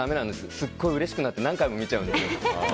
すごいうれしくなって何回も見ちゃうんです。